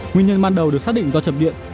nguyên nhân ban đầu được xác định do chập điện